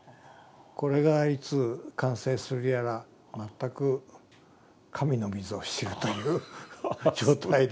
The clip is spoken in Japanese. これがいつ完成するやら全く神のみぞ知るという状態です。